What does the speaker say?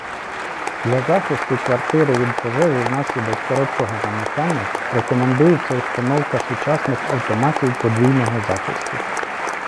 Для захисту квартири від пожежі внаслідок короткого замикання рекомендується установка сучасних автоматів подвійного захисту